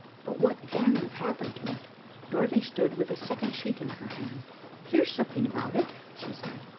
But what can have happened to it?" Dorothy stood with a second sheet in her hand. "Here's something about it," she said.